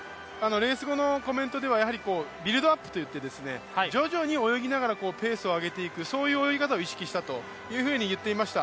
レース後のコメントではビルドアップといいまして、徐々に泳ぎながらペースを上げていく、そういう泳ぎ方を意識したと言っていました。